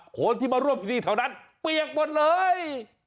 คนที่มาร่วมพิธีแถวนั้นเปียกหมดเลย